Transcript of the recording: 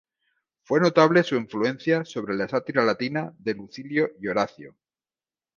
Fue notable su influencia sobre la sátira latina de Lucilio y Horacio.